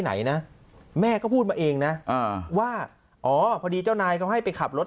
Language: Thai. ไหนนะแม่ก็พูดมาเองนะว่าอ๋อพอดีเจ้านายเขาให้ไปขับรถ